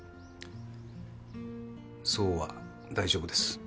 奏は大丈夫です。